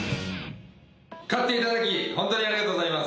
買っていただきホントにありがとうございます。